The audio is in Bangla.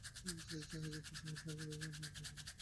তোর ইচ্ছে হয়েছে তুই ঘর সাজাতে যা-না– আমি যাব না।